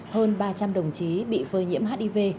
hơn ba trăm linh đồng chí bị phơi nhiễm hiv